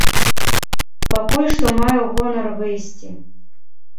Пакуль што маю гонар выйсці.